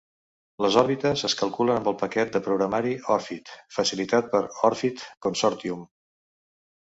Les òrbites es calculen amb el paquet de programari OrbFit facilitat per OrbFit Consortium.